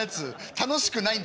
楽しくないんだ。